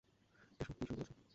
এসব কী শুরু করেছ?